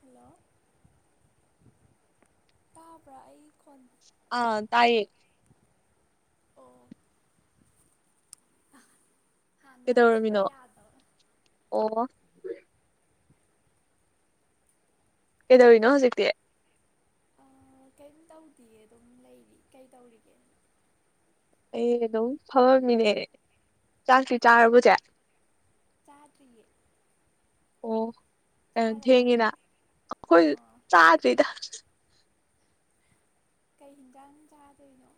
hello ꯇꯥꯕ꯭ꯔꯥ ꯑꯩ ꯈꯣꯟ ꯑꯥ ꯇꯥꯏꯌꯦ ꯑꯣ ꯍꯥꯟꯅ ꯑꯁꯨꯛꯌꯥ ꯀꯩꯗꯧꯔꯝꯃꯤꯅꯣ ꯌꯥꯗꯕ ꯑꯣꯑꯣ ꯀꯩꯗꯧꯔꯤꯅꯣ ꯍꯧꯖꯤꯛꯇꯤ ꯑꯥ ꯀꯩꯝ ꯇꯧꯗꯤꯌꯦ ꯑꯗꯨꯝ ꯂꯩꯔꯤ ꯀꯩ ꯇꯧꯔꯤꯒꯦ ꯑꯩ ꯑꯗꯨꯝ ꯐꯝꯃꯝꯃꯤꯅꯦ ꯆꯥꯛꯇꯤ ꯆꯥꯔꯕꯣ ꯆꯦ ꯆꯥꯗ꯭ꯔꯤꯌꯦ ꯑꯣ ꯀꯩꯅꯣ ꯆꯥꯔꯕꯣ ꯊꯦꯡꯉꯤꯅ ꯑꯩꯈꯣꯏꯖꯨ ꯑꯥ ꯆꯥꯗ꯭ꯔꯤꯗ ꯀꯩ ꯍꯤꯟꯖꯥꯡ ꯆꯥꯗꯣꯏꯅꯣ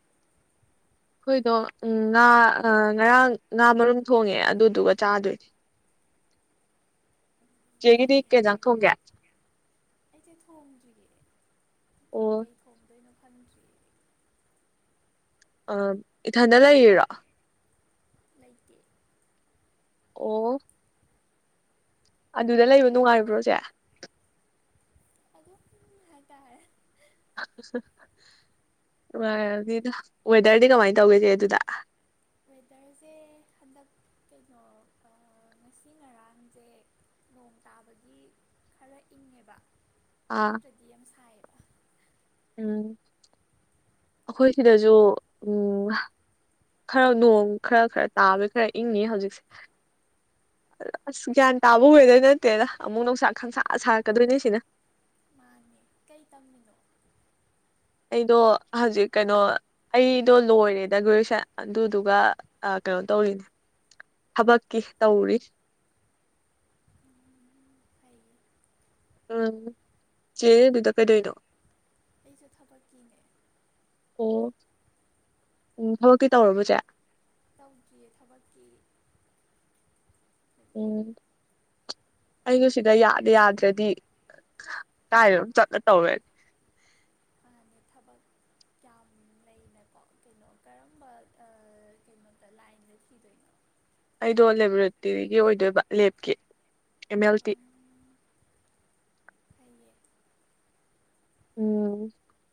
ꯑꯩꯈꯣꯏꯗꯣ ꯎꯝ ꯉꯥ ꯉꯔꯥꯡ ꯉꯥ ꯃꯔꯨꯝ ꯊꯣꯡꯉꯦ ꯑꯗꯨꯗꯨꯒ ꯆꯥꯗꯣꯏꯅꯦ [inaudible] ꯆꯦꯒꯤꯗꯤ ꯀꯩꯖꯥꯡ ꯊꯣꯡꯒꯦ ꯑꯩꯖꯦ ꯊꯣꯡꯗ꯭ꯔꯤꯌꯦ ꯑꯣ ꯀꯩ ꯊꯣꯡꯗꯣꯏꯅꯣ ꯈꯟꯗ꯭ꯔꯤ ꯑ ꯏꯊꯟꯗ ꯂꯩꯔꯤꯔꯣ ꯂꯩꯇꯦ ꯑꯣꯑꯣ ꯑꯗꯨꯗ ꯂꯩꯕ ꯅꯨꯡꯉꯥꯏꯕ꯭ꯔꯣ ꯆꯦ ꯑꯗꯨꯝ ꯍꯥꯏꯇꯥꯔꯦ ꯅꯨꯉꯥꯢꯔꯝꯅꯤꯗ ꯋꯦꯗ꯭ꯔꯗꯤ ꯀꯃꯥꯏꯅ ꯇꯧꯒꯦ ꯆꯦ ꯑꯗꯨꯗ ꯋꯦꯗ꯭ꯔꯖꯦ ꯍꯟꯗꯛ ꯀꯩꯅꯣ ꯑꯥ ꯑꯥ ꯉꯁꯤ ꯉꯔꯥꯡꯖꯦ ꯅꯣꯡ ꯇꯥꯕꯒꯤ ꯈꯔ ꯏꯪꯉꯦꯕ ꯑꯥ ꯅꯠꯇ꯭ꯔꯗꯤ ꯌꯥꯝ ꯁꯥꯏꯌꯦꯕ ꯎꯝ ꯑꯈꯣꯏ ꯁꯤꯗꯖꯨ ꯎꯝ ꯈꯔ ꯅꯣꯡ ꯈꯔ ꯈꯔ ꯇꯥꯕ ꯈꯔ ꯏꯪꯉꯤ ꯍꯧꯖꯤꯛꯁꯦ ꯑꯁ ꯒ꯭ꯌꯥꯟ ꯇꯥꯕ ꯋꯦꯗ꯭ꯔ ꯅꯠꯇꯦꯗ ꯑꯃꯨꯛ ꯅꯨꯡꯁꯥ ꯈꯪꯁꯥ ꯁꯥꯔꯛꯀꯗꯣꯏꯅꯦ ꯑꯁꯤꯅ ꯃꯥꯅꯤ ꯀꯩ ꯇꯝꯃꯤꯅꯣ ꯑꯩꯗꯣ ꯍꯧꯖꯤꯛ ꯀꯩꯅꯣ ꯑꯩꯗꯣ ꯂꯣꯏꯔꯦꯗ ꯒ꯭ꯔꯦꯖꯨꯌꯦꯁꯟ ꯑꯗꯨꯗꯨꯒ ꯀꯩꯅꯣ ꯇꯧꯔꯤꯅꯤ ꯊꯕꯛꯀꯤ ꯇꯧꯔꯤ ꯐꯩꯌꯦ ꯎꯝ ꯆꯦ ꯑꯗꯨꯗ ꯀꯩꯗꯣꯏꯅꯣ ꯑꯩꯖꯨ ꯊꯕꯛ ꯀꯤꯅꯦ ꯑꯣ ꯎꯝ ꯊꯕꯛꯇꯤ ꯇꯧꯔꯕꯣ ꯆꯦ ꯇꯧꯗ꯭ꯔꯤꯌꯦ ꯊꯕꯛꯀꯤ ꯎꯝ ꯑꯩꯩꯖꯨ ꯁꯤꯗ ꯌꯥꯗ ꯌꯥꯗ꯭ꯔꯗꯤ ꯀꯥꯏꯗꯅꯣꯝ ꯆꯠꯂ ꯇꯧꯔꯅꯤ ꯍꯥꯟꯅ ꯊꯕꯛ ꯌꯥꯝ [unintelligible] ꯀꯩꯅꯣ ꯀꯔꯝꯕ ꯑꯥ ꯀꯩꯅꯣꯗ ꯂꯥꯏꯟꯗ ꯊꯤꯗꯣꯏꯅꯣ ꯑꯩꯗꯣ ꯂꯦꯕꯣꯔꯦꯇ꯭ꯔꯤꯒꯤ ꯑꯣꯏꯗꯣꯏꯕ ꯂꯦꯞꯀꯤ ꯑꯦꯝ ꯑꯦꯜ ꯇꯤ ꯐꯩꯌꯦ ꯎꯝ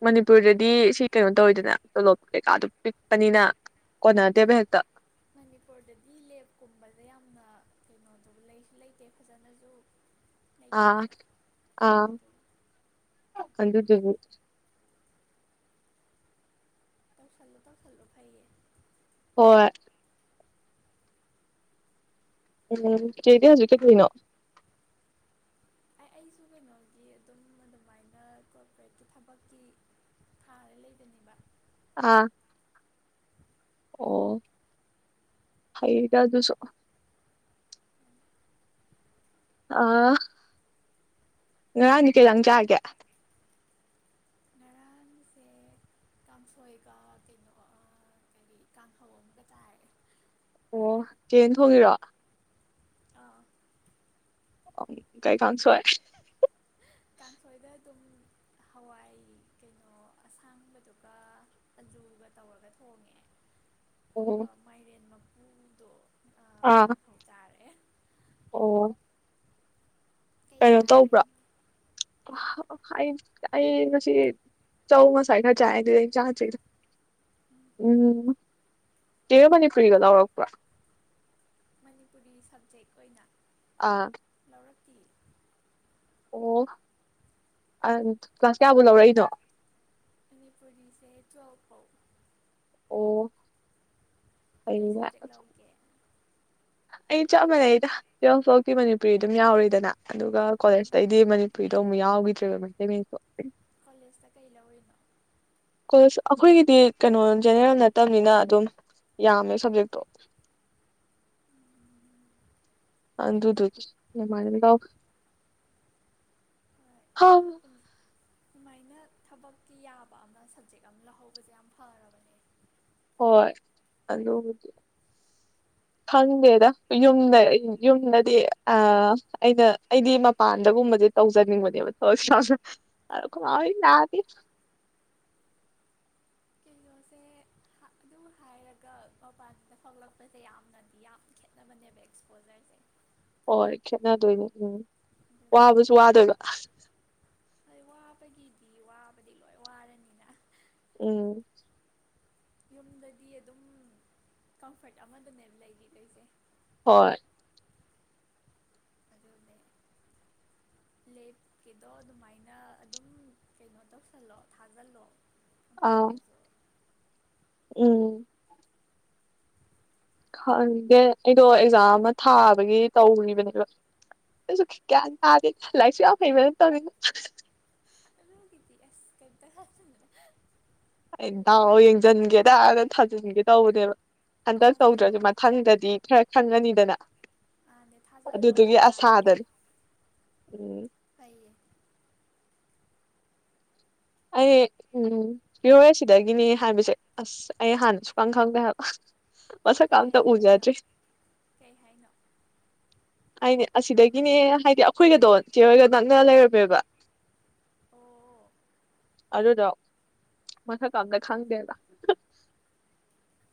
ꯃꯅꯤꯄꯨꯔꯗꯗꯤ ꯁꯤ ꯀꯩꯅꯣ ꯇꯧꯋꯤꯗꯅ ꯇꯣꯂꯣꯞ ꯀꯩꯀꯥꯗꯨ ꯄꯤꯛꯄꯅꯤꯅ ꯀꯣꯅꯗꯦꯕ ꯍꯦꯛꯇ ꯃꯅꯤꯄꯨꯔꯗꯗꯤ ꯂꯦꯞꯀꯨꯝꯕꯖꯦ ꯌꯥꯝꯅ ꯀꯩꯅꯣꯗꯣ ꯂꯩꯁꯨ ꯂꯩꯇꯦ ꯐꯖꯅꯖꯨ [inaudible] ꯑꯥ ꯑꯥ ꯑꯗꯨꯗꯨꯒꯤ ꯀꯩꯅꯣ ꯇꯧꯁꯤꯜꯂꯨ ꯐꯩꯌꯦ ꯍꯣꯢ ꯑꯦꯜ ꯑꯦꯝ ꯆꯦꯗꯤ ꯍꯧꯖꯤꯛ ꯀꯩꯗꯣꯢꯅꯣ ꯑꯩꯁꯨ ꯀꯩꯅꯣꯒꯤ ꯑꯗꯨꯝ ꯑꯗꯨꯃꯥꯏꯅ ꯀꯣꯔꯄꯣꯔꯦꯠꯀꯤ ꯊꯕꯛꯀꯤ ꯊꯥꯔ ꯂꯩꯕꯅꯦꯕ ꯑꯥ ꯑꯣ ꯐꯩꯗ ꯑꯗꯨꯁꯨ ꯑꯥ ꯉꯔꯥꯡꯗꯤ ꯀꯩ ꯏꯟꯖꯥꯡ ꯆꯥꯒꯦ ꯉꯔꯥꯡꯁꯦ ꯀꯥꯡꯁꯣꯏꯒ ꯀꯩꯅꯣꯒ ꯑꯥ ꯀꯥꯡꯍꯧ ꯑꯃꯒ ꯆꯥꯏꯌꯦ ꯑꯣ ꯆꯦꯅ ꯊꯣꯡꯉꯤꯔꯣ ꯑꯥ ꯀꯩ ꯀꯥꯡꯁꯣꯏ ꯀꯥꯡꯁꯣꯏꯗ ꯑꯗꯨꯝ ꯍꯋꯥꯏ ꯀꯩꯅꯣ ꯑꯁꯥꯡꯕꯗꯨꯒ ꯑꯖꯨꯒ ꯇꯧꯔꯒ ꯊꯣꯡꯉꯦ ꯑꯗꯨꯒ ꯑꯣ ꯃꯥꯏꯔꯦꯟ ꯃꯀꯨꯗꯣ ꯑꯥ ꯀꯥꯡꯍꯧ ꯆꯥꯔꯦ ꯑꯣ ꯀꯩ ꯀꯩꯅꯣ ꯆꯥꯔꯒꯦ ꯇꯧꯕ꯭ꯔꯣ ꯀꯩ ꯑꯥ ꯑꯩ ꯑꯩ ꯉꯁꯤ ꯆꯧ ꯉꯁꯥꯏ ꯈꯔ ꯆꯥꯏ ꯑꯗꯨꯗꯩ ꯍꯦꯟ ꯆꯥꯗ꯭ꯔꯤꯗ ꯎꯝ ꯆꯦ ꯃꯅꯤꯄꯨꯔꯤꯒ ꯂꯧꯔꯛꯄ꯭ꯔꯣ ꯃꯅꯤꯄꯨꯔꯤ ꯁꯞꯖꯦꯛ ꯑꯣꯏꯅ ꯑꯥ ꯂꯧꯔꯛꯇꯤ ꯑꯣ ꯑ ꯀ꯭ꯂꯥꯁ ꯀꯌꯥꯕꯨ ꯂꯧꯔꯛꯏꯅꯣ ꯃꯅꯤꯄꯨꯔꯤꯁꯦ ꯇꯨꯌꯦꯜꯐꯄꯧ ꯑꯣ ꯀꯩ ꯐꯩꯅꯦ ꯁꯕꯖꯦꯛ ꯂꯧꯒꯦ ꯑꯩ ꯆꯞ ꯃꯥꯟꯅꯩꯗ ꯇꯨꯌꯦꯜꯐ ꯕꯣꯛꯇꯤ ꯃꯅꯤꯄꯨꯔꯤ ꯑꯗꯨꯝ ꯌꯥꯎꯔꯤꯗꯅ ꯑꯗꯨꯒ ꯑꯥ ꯀꯣꯂꯦꯖꯇꯩꯗꯤ ꯃꯅꯤꯄꯨꯔꯤꯗꯣ ꯑꯃꯨꯛ ꯌꯥꯎꯈꯤꯗ꯭ꯔꯦꯕ ꯃꯩꯇꯩ ꯃꯌꯦꯛꯁꯨ ꯀꯣꯂꯦꯖꯇ ꯀꯩ ꯂꯧꯔꯤꯅꯣ ꯀꯣꯂꯦꯖ ꯑꯩꯈꯣꯏꯒꯤꯗꯤ ꯀꯩꯅꯣ ꯖꯦꯅꯦꯔꯦꯜ ꯅꯠꯇꯝꯅꯤꯅ ꯑꯗꯨꯝ ꯌꯥꯝꯃꯦ ꯁꯞꯖꯦꯛꯇꯣ ꯎꯝ ꯑꯗꯨꯗꯨꯒꯤ [unintelligible] ꯍꯝ ꯍꯣꯏ ꯁꯨꯃꯥꯏꯅ ꯊꯕꯛꯀꯤ ꯌꯥꯕ ꯑꯃ ꯁꯞꯖꯦꯛ ꯑꯃ ꯂꯧꯍꯧꯕꯁꯦ ꯌꯥꯝ ꯐꯔꯕꯅꯤ ꯍꯣꯏ ꯑꯗꯨꯕꯨꯗꯤ [inaudible] ꯈꯪꯗꯦꯗ ꯌꯨꯝꯗ ꯌꯨꯝꯗꯗꯤ ꯑꯥ ꯑꯩꯅ ꯑꯩꯗꯤ ꯃꯄꯥꯟꯗꯒꯨꯝꯕꯗꯤ ꯇꯧꯖꯅꯤꯡꯕꯅꯦꯕ [unintelligible] ꯑꯈꯣꯏ ꯃꯥꯑꯣꯏ [unintelligible] [unintelligible] ꯑꯗꯨꯝ ꯍꯥꯏꯔꯒ ꯃꯄꯥꯟꯗ ꯊꯣꯛꯂꯛꯄꯁꯦ ꯌꯥꯝꯅꯗꯤ ꯌꯥꯝ ꯈꯦꯠꯅꯕꯅꯦꯕ ꯑꯦꯛꯁꯄꯣꯖꯔꯁꯦ ꯍꯣꯏ ꯈꯦꯠꯅꯗꯣꯏꯅꯦ ꯎꯝ ꯑꯗꯨꯅꯦ ꯋꯥꯕꯁꯨ ꯋꯥꯗꯣꯏꯕ ꯍꯣꯏ ꯋꯥꯕꯒꯤꯗꯤ ꯋꯥꯕꯗꯤ ꯂꯣꯏ ꯋꯥꯔꯅꯤꯅ ꯎꯝ ꯌꯨꯝꯗꯗꯤ ꯑꯗꯨꯝ ꯀꯝꯐꯔꯠ ꯑꯃꯗꯅꯦꯕ ꯂꯩꯒꯩꯗꯣꯏꯁꯦ ꯍꯣꯏ [unintelligible] ꯂꯦꯞꯀꯤꯗꯣ ꯑꯗꯨꯃꯥꯏꯅ ꯑꯗꯨꯝ ꯀꯩꯅꯣ ꯇꯧꯁꯜꯂꯣ ꯊꯥꯖꯜꯂꯣ ꯑꯥ ꯗꯤꯄꯥꯠꯃꯦꯟꯁꯨ ꯎꯝ ꯈꯪꯗꯦ ꯑꯩꯗꯣ ꯑꯦꯛꯖꯥꯝ ꯑꯃ ꯊꯥꯕꯒꯤ ꯇꯧꯔꯤꯕꯅꯦ ꯕ ꯅꯪꯁꯨ ꯈꯤꯠ ꯒ꯭ꯌꯥꯟ ꯇꯥꯗꯦ ꯂꯥꯏꯔꯤꯛꯁꯨ ꯌꯥꯝ ꯍꯩꯕ ꯅꯠꯇꯝꯅꯤꯅ ꯑꯗꯨꯒꯤꯗꯤ ꯑꯦꯁ ꯀꯩꯝꯇ ꯈꯜꯂꯨꯅꯨ ꯑꯩ ꯗꯥꯎ ꯌꯦꯡꯖꯟꯟꯒꯦꯗꯅ ꯊꯥꯖꯤꯟꯒꯦ ꯇꯧꯕꯅꯦꯕ ꯍꯟꯗꯛ ꯊꯥꯖꯤꯜꯂꯣ ꯇꯧꯗ꯭ꯔꯁꯨ ꯃꯊꯪ ꯈꯟꯗꯗꯤ ꯈꯔ ꯈꯪꯉꯅꯤꯗꯅ ꯃꯥꯅꯦ ꯊꯥꯖꯤꯜꯂꯣ ꯑꯗꯨꯗꯨꯒꯤ ꯌꯥꯔꯤꯈꯩ ꯑꯁꯥꯗꯅꯤ ꯎꯝ ꯐꯩꯌꯦ ꯑꯩ ꯎꯝ [unintelligible] ꯍꯥꯏꯕꯁꯦ ꯑꯩ ꯍꯥꯟꯅ ꯁꯨꯈꯪ ꯈꯪꯗꯦ ꯍꯥꯏꯕ ꯃꯁꯛꯀ ꯀ- ꯑꯝꯇ ꯀꯩ ꯍꯥꯏꯅꯣ ꯎꯖꯗ꯭ꯔꯤ ꯀꯩ ꯍꯥꯏꯅꯣ ꯑꯩꯅꯦ ꯑꯁꯤꯗꯒꯤꯅꯦ ꯍꯥꯏꯗꯤ ꯑꯩꯈꯣꯏꯒꯗꯣ ꯆꯦꯍꯣꯌꯒ ꯅꯛꯅ ꯂꯩꯔꯝꯃꯦꯕ ꯑꯣ ꯑꯣ ꯑꯗꯨꯗꯣ ꯃꯁꯛꯀ ꯑꯝꯇ ꯈꯪꯗꯦꯕ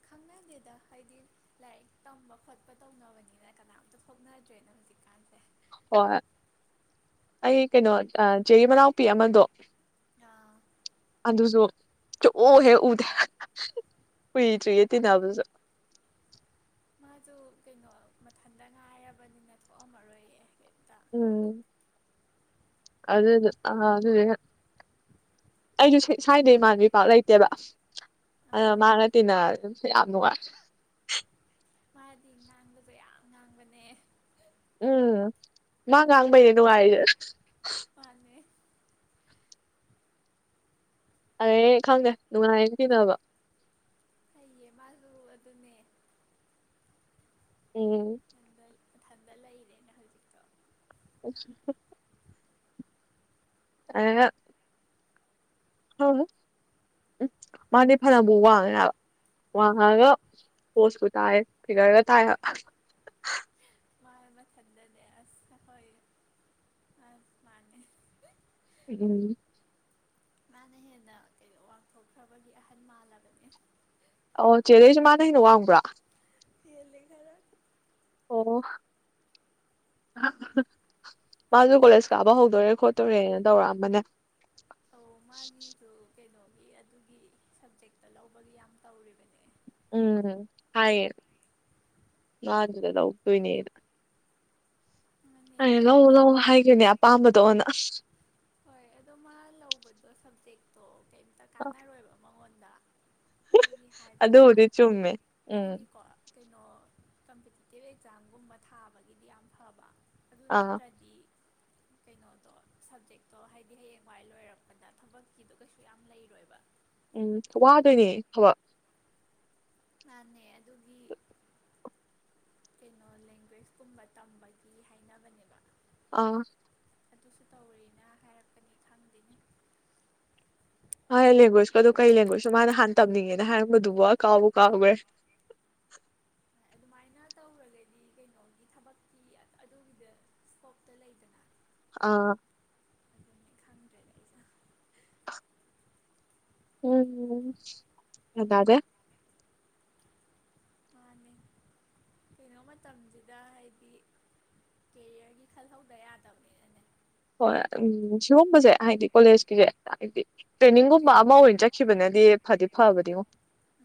ꯈꯪꯅꯗꯦꯗ ꯍꯥꯏꯗꯤ ꯂꯥꯏꯔꯤꯛ ꯇꯝꯕ ꯈꯣꯠꯄ ꯇꯧꯅꯕꯅꯤꯅ ꯀꯅꯥꯝꯇ ꯊꯣꯛꯅꯗ꯭ꯔꯦꯅ ꯍꯧꯖꯤꯛꯇꯤ ꯍꯣꯏ ꯑꯩ ꯀꯩꯅꯣ ꯆꯦꯒꯤ ꯃꯅꯥꯎꯄꯤ ꯑꯃꯗꯣ ꯑꯥ ꯑꯗꯨꯁꯨ ꯁꯨꯛꯎ ꯍꯦꯛ ꯎꯗꯦ ꯀꯨꯏꯗ꯭ꯔꯤꯌꯦ ꯇꯤꯟꯅꯕꯁꯨ ꯃꯣꯏꯖꯨ ꯀꯩꯅꯣ ꯃꯊꯟꯇ ꯉꯥꯏꯔꯕꯅꯤꯅ ꯊꯣꯛꯑꯝꯃꯔꯣꯏꯌꯦ ꯀꯩꯝꯇ ꯎꯨꯝ ꯑꯗꯨꯗꯨ ꯑ ꯑꯗꯨꯗꯨꯅ ꯑꯩꯁꯨ ꯁ꯭ꯋꯥꯏꯗꯩ ꯏꯃꯥꯟꯕꯤ ꯄꯥꯛ ꯂꯩꯇꯦꯕ ꯑꯗ ꯑꯥ ꯃꯥꯒ ꯇꯤꯟꯅꯔ ꯑꯗꯨꯝ ꯌꯥꯝ ꯅꯨꯡꯉꯥꯏ ꯃꯥꯗꯤ ꯉꯥꯡꯕꯁꯨ ꯌꯥꯝ ꯉꯥꯡꯕꯅꯦ ꯎꯝ ꯃꯥ ꯉꯥꯡꯕꯩꯅꯦ ꯅꯨꯡꯉꯥꯏꯔꯤꯁꯦ ꯃꯥꯥꯟꯅꯦ ꯑꯗꯩ ꯈꯪꯗꯦ ꯅꯨꯡꯉꯥꯏꯅ ꯇꯤꯅꯕ ꯐꯩꯌꯦ ꯃꯥꯁꯨ ꯑꯗꯨꯅꯦ ꯎꯝ ꯏꯊꯟꯗ ꯂꯩꯔꯦꯅ ꯍꯧꯖꯤꯛ ꯑꯣ [unintelligible] ꯑ [unintelligible] [unintelligible] ꯎꯝ ꯃꯥꯗꯤ ꯐꯥꯅꯕꯨ ꯋꯥꯡꯉꯦ ꯍꯥꯏꯕ ꯋꯥꯡꯉꯒ ꯄꯣꯁꯄꯨ ꯇꯥꯏ ꯐꯤꯒꯔꯒ ꯇꯥꯏ ꯍꯥꯏꯕ ꯃꯥ ꯃꯊꯟꯇꯅꯦ ꯑꯁ ꯑꯩꯈꯣꯏ [unintelligible] ꯃꯥꯟꯅꯦ ꯗꯨꯝ ꯃꯥꯅ ꯍꯦꯟꯅ ꯀꯩꯅꯣ ꯋꯥꯡꯊꯣꯛꯈ꯭ꯔꯕꯒꯤ ꯑꯍꯟ ꯃꯥꯜꯂꯕꯅꯦ ꯑꯣ ꯆꯦꯗꯩꯁꯨ ꯃꯥꯅ ꯍꯦꯟꯅ ꯋꯥꯡꯕ꯭ꯔꯥ [unintelligible] ꯈꯔ ꯑꯣ ꯃꯥꯁꯨ ꯀꯣꯂꯦꯖ ꯀꯥꯕ ꯍꯧꯗꯣꯔꯦ ꯈꯣꯠꯇꯣꯔꯦꯅ ꯇꯧꯔꯛꯑꯝꯕꯅꯦ ꯑꯣ ꯃꯥꯒꯤ ꯁꯨ ꯀꯩꯅꯣꯒꯤ ꯑꯗꯨꯒꯤ ꯁꯞꯖꯦꯛꯇ ꯂꯧꯕꯒꯤ ꯌꯥꯝ ꯇꯧꯔꯤꯕꯅꯦ ꯎꯝ ꯍꯥꯏꯌꯦ ꯃꯥ ꯑꯗꯨꯗ ꯂꯧꯗꯣꯏꯅꯦꯗ ꯃꯥꯅꯦ ꯑꯩꯅ ꯂꯧ ꯃꯥꯅ ꯂꯧ ꯍꯥꯏꯒꯤꯕꯅꯦ ꯑꯄꯥꯝꯕꯗꯣ ꯑꯣꯅ ꯍꯣꯏ ꯑꯗꯣ ꯃꯥ ꯂꯧꯕꯗꯣ ꯁꯕꯖꯦꯛꯇꯣ ꯀꯩꯝꯇ ꯀꯥꯟꯅꯔꯣꯏꯕ ꯃꯉꯣꯟꯗ ꯑꯗꯨꯒꯤ ꯍꯥꯏꯕꯅꯦꯕ ꯑꯗꯨꯕꯨꯗꯤ ꯆꯨꯝꯃꯦ ꯎꯝ ꯍꯥꯏꯗꯤꯀꯣ ꯀꯩꯅꯣ ꯀꯝꯄꯤꯇꯤꯇꯤꯞ ꯑꯦꯛꯖꯥꯝꯒꯨꯝꯕ ꯊꯥꯕꯒꯤꯗꯤ ꯌꯥꯝ ꯐꯕ ꯑꯗꯨ ꯑꯥ ꯅꯠꯇ꯭ꯔꯗꯤ ꯀꯩꯅꯣꯗꯣ ꯁꯞꯖꯦꯛ ꯑꯗꯣ ꯍꯥꯏꯗꯤ ꯍꯌꯦꯡꯋꯥꯏ ꯂꯣꯏꯔꯛꯄꯗ ꯊꯕꯛꯀꯤꯗꯣ ꯀꯩꯁꯨ ꯌꯥꯝ ꯂꯩꯔꯣꯏꯕ ꯎꯝ ꯋꯥꯗꯣꯏꯅꯦ ꯊꯕꯛ ꯃꯥꯥꯟꯅꯦ ꯑꯗꯨꯒꯤ ꯀꯩꯅꯣ ꯂꯦꯡꯒ꯭ꯋꯦꯁꯀꯨꯝꯕ ꯇꯝꯕꯒꯤ ꯍꯥꯏꯅꯕꯅꯦꯕ ꯑꯥ ꯑꯗꯨꯁꯨ ꯇꯧꯔꯦꯅ ꯍꯥꯏꯔꯛꯄꯅꯤ ꯈꯪꯗꯦꯅꯦ ꯃꯥꯏ ꯂꯦꯡꯒ꯭ꯋꯦꯖꯀꯗꯣ ꯀꯩ ꯂꯦꯡꯒ꯭ꯋꯦꯖꯅꯣ ꯃꯥ ꯅꯍꯥꯟ ꯇꯅꯤꯡꯉꯦꯅ ꯍꯥꯏꯔꯛꯄꯗꯨꯕꯨ ꯀꯥꯎꯕꯨ ꯀꯥꯎꯈ꯭ꯔꯦ ꯑꯗꯨꯃꯥꯏꯅ ꯇꯧꯔꯒꯗꯤ ꯀꯩꯅꯣꯒꯤ ꯊꯕꯛ ꯑꯗꯨꯒꯤꯗ ꯁ꯭ꯀꯣꯞꯇ ꯂꯩꯗꯅ ꯑꯥ [unintelligible] ꯈꯪꯗ꯭ꯔꯦ ꯎꯝ ꯒꯌꯥꯟ ꯇꯥꯗꯦ ꯃꯥꯅꯦ ꯀꯩꯅꯣ ꯃꯇꯝꯁꯤꯗ ꯍꯥꯏꯗꯤ ꯀꯦꯔꯤꯌꯔꯒꯤ ꯈꯜꯍꯧꯗ ꯌꯥꯗꯕꯅꯦ ꯍꯣꯏ ꯎꯝ ꯁꯤꯒꯨꯝꯕꯁꯦ ꯍꯥꯏꯗꯤ ꯀꯣꯂꯦꯖꯀꯤꯁꯦ ꯍꯥꯏꯗꯤ ꯇ꯭ꯔꯦꯅꯤꯡꯒꯨꯝꯕ ꯑꯃ ꯑꯣꯏꯅ ꯆꯠꯈꯤꯕꯅꯗꯤ ꯐꯗꯤ ꯐꯕꯅꯤꯉꯣ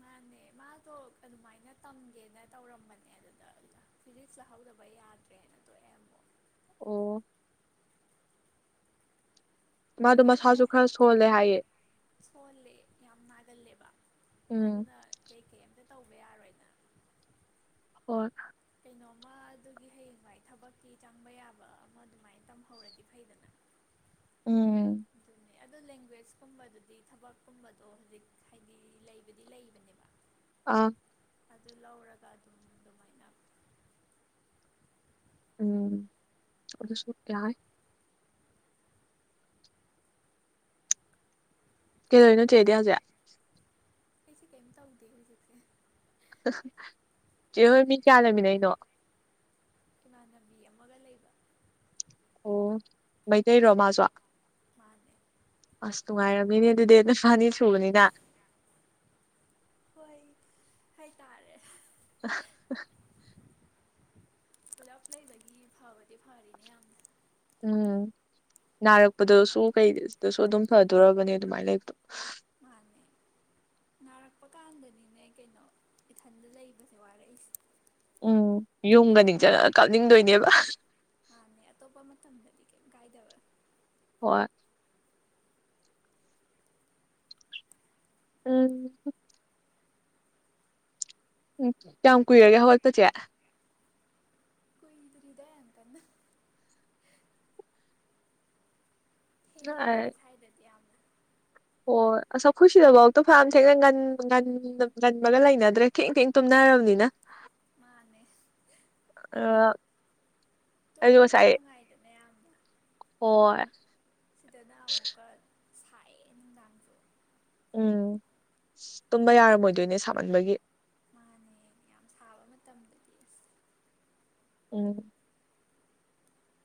ꯃꯥꯅꯦ ꯃꯥꯗꯣ ꯑꯗꯨꯃꯥꯏꯅ ꯇꯝꯒꯦꯅ ꯇꯧꯔꯝꯕꯅꯦ ꯑꯗꯨꯗ ꯑꯗꯨ ꯐꯤꯖꯤꯛꯁ ꯂꯍꯧꯗꯕ ꯌꯥꯗ꯭ꯔꯦꯅ ꯇꯣꯛꯑꯦ ꯑꯃꯨꯛ ꯑꯣ ꯃꯥꯗꯣ ꯑꯗꯨꯅꯦ ꯃꯁꯥꯁꯨ ꯈꯔ ꯍꯥꯏ ꯁꯣꯜꯂꯦ ꯍꯥꯏꯑꯦ ꯁꯣꯜꯂꯦ ꯌꯥꯝ ꯅꯥꯒꯜꯂꯦꯕ ꯎꯝ ꯑꯗꯨꯅ ꯀꯩ ꯀꯩ ꯑꯝꯇ ꯇꯧꯕ ꯌꯥꯔꯣꯏꯑꯅ ꯍꯣꯏ ꯀꯩꯅꯣꯝꯃ ꯑꯗꯨꯒꯤ ꯍꯌꯦꯡ ꯋꯥꯏ ꯊꯕꯛꯇꯤ ꯆꯪꯕ ꯌꯥꯕ ꯑꯃ ꯑꯗꯨꯃꯥꯏꯅ ꯇꯝꯍꯧꯔꯗꯤ ꯐꯩꯗꯅ ꯎꯝ ꯑꯗꯨ ꯂꯦꯡꯒ꯭ꯋꯦꯖꯀꯨꯝꯕꯗꯨꯗꯤ ꯊꯕꯛꯀꯨꯝꯕꯗꯣ ꯍꯧꯖꯤꯛ ꯍꯥꯏꯗꯤ ꯂꯩꯕꯗꯤ ꯂꯩꯕꯅꯦꯕ ꯑꯣ ꯑꯥ ꯑꯗꯨ ꯂꯧꯔꯒ ꯑꯗꯨꯝ ꯑꯗꯨꯃꯥꯏꯅ ꯎꯝ ꯑꯗꯨꯁꯨ ꯌꯥꯏ ꯀꯩꯗꯣꯏꯔꯤꯅꯣ ꯆꯦꯗꯤ ꯍꯧꯖꯤꯛ ꯑꯩꯁꯦ ꯀꯩꯝ ꯇꯧꯗꯦ ꯍꯧꯖꯤꯛꯁꯦ ꯆꯦꯍꯣꯏ ꯃꯤ ꯀꯌꯥ ꯂꯩꯃꯤꯟꯅꯩꯅꯣ ꯏꯃꯥꯟꯅꯕꯤ ꯑꯃꯒ ꯂꯩꯕ ꯑꯣ ꯃꯩꯇꯩꯔꯣ ꯃꯁꯨ ꯃꯥꯅꯦ ꯑꯁ ꯅꯨꯡꯉꯥꯏꯔꯝꯃꯤꯅꯦ ꯑꯗꯨꯗꯤ ꯅꯕꯥꯅꯤ ꯁꯨꯕꯅꯤꯅ ꯍꯣꯏ ꯍꯥꯏꯇꯥꯔꯦ ꯄꯨꯂꯞ ꯂꯩꯕꯒꯤ ꯐꯕꯗꯤ ꯐꯔꯤꯅꯦ ꯌꯥꯝꯅ ꯎꯝ ꯅꯥꯔꯛꯄꯗꯁꯨ ꯀꯩꯗꯁꯨ ꯑꯗꯨꯝ ꯐꯗꯣꯔꯕꯅꯦ ꯑꯗꯨꯃꯥꯏꯅ ꯂꯩꯕꯗꯣ ꯃꯥꯅꯦ ꯅꯥꯔꯛꯄꯀꯥꯟꯗꯗꯤꯅꯦ ꯀꯩꯅꯣ ꯏꯊꯟꯗ ꯂꯩꯕꯁꯦ ꯋꯥꯔꯛꯏꯁꯦ ꯎꯝ ꯌꯨꯝꯒ ꯅꯤꯡ ꯑꯇꯣꯞꯄ ꯖꯪꯉꯛꯑꯒ ꯀꯥꯞꯅꯤꯡꯗꯣꯏꯅꯦꯕ ꯃꯥꯅꯦ ꯑꯇꯣꯞꯄ ꯃꯇꯝꯗꯗꯤ ꯀꯩꯝ ꯀꯥꯏꯗꯕ ꯍꯣꯏ ꯎꯝ ꯎ ꯀꯌꯥꯝ ꯀꯨꯏꯔꯒꯦ ꯍꯧꯒꯠꯄ ꯆꯦ ꯀꯨꯏꯗ꯭ꯔꯤꯗ ꯌꯥꯝ ꯀꯟꯅ ꯊꯦꯡꯉꯦꯅꯦ ꯁ꯭ꯋꯥꯏꯗꯗꯤ ꯌꯥꯝꯅ ꯍꯣꯏ ꯑꯁ ꯈꯣꯏ ꯁꯤꯗꯐꯥꯎꯗ ꯐꯥꯅꯌꯥꯝ ꯊꯦꯡꯉꯧ ꯉꯟ ꯉꯟ ꯉꯟꯕꯒ ꯂꯩꯅꯗ꯭ꯔꯦ ꯊꯦꯡ ꯊꯦꯡ ꯇꯨꯝꯅꯔꯕꯅꯤꯅ ꯃꯥꯅꯦ ꯑꯥ ꯇꯨꯝꯕꯗꯤ ꯅꯨꯡꯉꯥꯏꯗꯅꯌꯥꯝꯅ ꯍꯣꯏ ꯁꯤꯗꯅ ꯑꯃꯨꯛꯀ ꯁꯥꯏꯌꯦ ꯅꯨꯡꯗꯥꯥꯡꯁꯨ ꯎꯝ ꯇꯨꯝꯕ ꯌꯥꯔꯝꯃꯣꯏꯗꯣꯏꯅꯦ ꯁꯥꯃꯟꯕꯒꯤ ꯃꯥꯅꯦ ꯌꯥꯝ ꯁꯥꯕ ꯃꯇꯝꯗ ꯎꯝ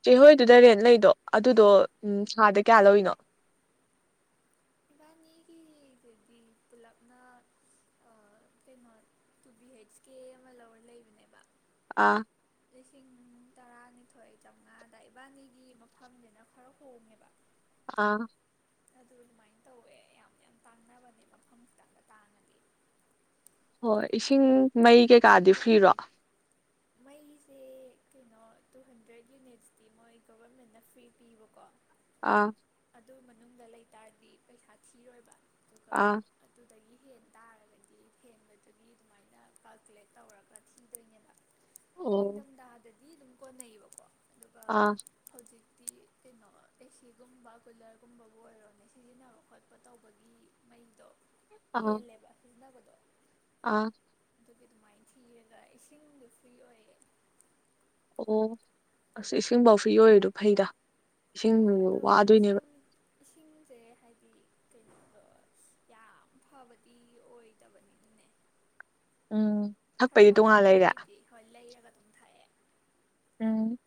ꯆꯦꯍꯣꯏꯗꯨꯗ ꯔꯦꯟ ꯂꯩꯗꯣ ꯑꯗꯨꯗꯣ ꯎꯝ ꯊꯥꯗ ꯀꯌꯥ ꯂꯧꯔꯤꯅꯣ ꯏꯕꯥꯅꯤꯒꯤꯗꯨꯗꯤ ꯄꯨꯂꯞꯅ ꯑꯥ ꯀꯩꯅꯣ ꯇꯨ ꯕꯤ ꯍꯩꯆ ꯀꯦ ꯑꯃ ꯂꯧꯔ ꯂꯩꯕꯅꯦꯕ ꯑꯥ ꯂꯤꯁꯤꯡ ꯇꯔꯥꯅꯤꯊꯣꯏ ꯆꯥꯝꯉꯥꯗ ꯏꯕꯥꯅꯤꯒꯤ ꯃꯐꯝꯖꯤꯅ ꯈꯔ ꯍꯣꯡꯉꯦꯕ ꯑ ꯑꯗꯨ ꯗꯨꯃꯥꯏꯟ ꯇꯧꯋꯦ ꯌꯥꯝ ꯌꯥꯝ ꯇꯥꯡꯅꯕꯅꯦ ꯃꯐꯝ ꯈꯤꯇꯪꯒ ꯇꯥꯡꯉ ꯍꯣꯏ ꯏꯁꯤꯡ ꯃꯩ ꯀꯩꯀꯥꯗꯤ ꯐꯤꯔꯣ ꯃꯩꯁꯦ ꯀꯩꯅꯣ ꯇꯨ ꯍꯟꯗ꯭ꯔꯦꯗ ꯌꯨꯅꯤꯠꯁꯇꯤ ꯃꯣꯏ ꯒꯣꯕꯔꯃꯦꯟꯅ ꯐ꯭ꯔꯤ ꯄꯤꯕꯀꯣ ꯑꯥ ꯑꯗꯨ ꯃꯅꯨꯡꯗ ꯂꯩ ꯇꯥꯔꯗꯤ ꯄꯩꯁꯥ ꯊꯤꯔꯣꯏꯕ ꯗꯨꯒ ꯑꯥ ꯗꯨꯗꯒꯤ ꯍꯦꯟ ꯇꯥꯔꯒꯗꯤ ꯍ‌ꯦꯟꯕꯗꯨꯒꯤ ꯗꯨꯃꯥꯏꯅ ꯀꯥꯜꯀꯨꯂꯦꯠ ꯇꯧꯔꯒ ꯊꯤꯗꯣꯏꯅꯦꯕ ꯑꯣ ꯅꯤꯡꯗꯝꯗꯥꯗꯗꯤ ꯗꯨꯝ ꯀꯣꯟꯅꯩꯌꯦꯕꯀꯣ ꯗꯨꯒ ꯑꯥ ꯍꯧꯖꯤꯛꯇꯤ ꯀꯩꯅꯣ ꯑꯦꯁꯤꯒꯨꯝꯕ ꯀꯨꯂꯔꯒꯨꯝꯕꯕꯨ ꯑꯣꯏꯔꯣꯅꯦ ꯁꯤꯖꯤꯟꯅꯕ ꯈꯣꯠꯄ ꯇꯧꯕꯒꯤ ꯃꯩꯗꯣ ꯑꯥ ꯍꯦꯜꯂꯦꯕ ꯁꯤꯖꯤꯟꯅꯕꯗꯣ ꯑꯥ ꯗꯨꯒꯤ ꯗꯨꯃꯥꯏꯟ ꯊꯤꯔꯒ ꯏꯁꯤꯡꯗꯤ ꯐ꯭ꯔꯤ ꯑꯣꯏꯌꯦ ꯑꯣ ꯑꯁ ꯏꯁꯤꯡꯕꯥꯎ ꯐ꯭ꯔꯤ ꯑꯣꯏꯔꯤꯗꯣ ꯐꯩꯗ ꯏꯁꯤꯡ ꯍꯣꯏ ꯑꯗꯣ ꯋꯥꯗꯣꯏꯅꯦꯕ ꯏꯁꯤꯡ ꯏꯁꯤꯡꯖꯦ ꯍꯥꯏꯗꯤ ꯀꯩꯅꯣꯗꯣ ꯌꯥꯝ ꯐꯕꯗꯤ ꯑꯣꯏꯗꯕꯅꯤꯅꯦ ꯎꯝ ꯊꯛꯄꯩꯗꯤ ꯊꯛꯄ ꯇꯣꯉꯥꯟ ꯂꯩꯔꯦ ꯈꯣꯠꯄꯒꯤꯗꯤ ꯍꯣꯏ ꯂꯩꯔꯒ ꯑꯗꯨꯝ ꯊꯛꯑꯦ ꯎꯝ